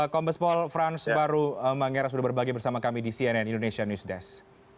kompes pol frans baru mengiris sudah berbagi bersama kami di cnn indonesia news desk